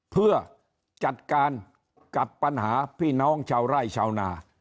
เพื่อจัดการกับปัญหาพี่น้องชาวไร่ชาวนา